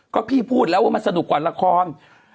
ก็พี่พูดแล้วว่ามันสนุกกว่าละคร